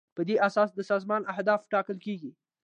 په دې اساس د سازمان اهداف ټاکل کیږي.